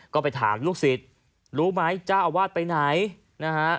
ก็ไปถามลูกศิษย์รู้ไหมเจ้าอาวาสไปไหนนะฮะ